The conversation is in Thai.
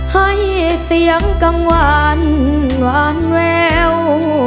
ให้เสียงกลางวันหวานแวว